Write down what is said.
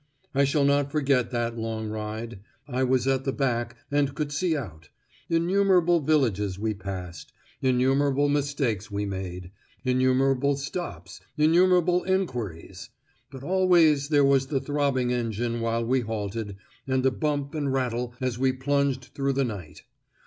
I shall not forget that long ride. I was at the back, and could see out; innumerable villages we passed; innumerable mistakes we made; innumerable stops, innumerable enquiries! But always there was the throbbing engine while we halted, and the bump and rattle as we plunged through the night.